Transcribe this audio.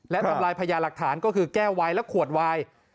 และทำลายพญาหลักฐานก็คือแก้ววายและขวดวาย